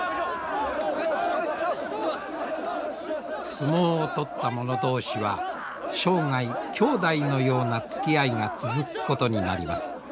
相撲を取った者同士は生涯兄弟のようなつきあいが続くことになります。